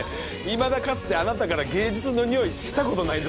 いまだかつてあなたから芸術のにおいしたことない。